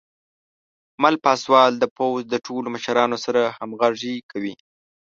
مل پاسوال د پوځ د ټولو مشرانو سره همغږي کوي.